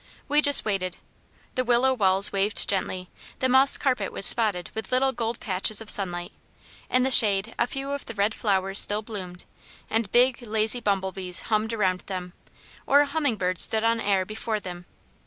We just waited. The willow walls waved gently, the moss carpet was spotted with little gold patches of sunlight, in the shade a few of the red flowers still bloomed, and big, lazy bumblebees hummed around them, or a hummingbird stood on air before them.